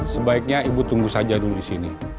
sebaiknya ibu tunggu saja dulu di sini